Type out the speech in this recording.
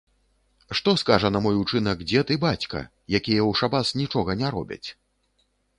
Што скажа на мой учынак дзед і бацька, якія ў шабас нічога не робяць?